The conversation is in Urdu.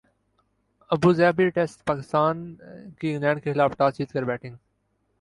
ابوظہبی ٹیسٹپاکستان کی انگلینڈ کیخلاف ٹاس جیت کر بیٹنگ